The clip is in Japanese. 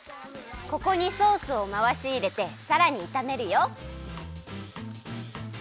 ここにソースをまわしいれてさらにいためるよ。